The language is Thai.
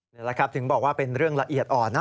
นี่แหละครับถึงบอกว่าเป็นเรื่องละเอียดอ่อนนะ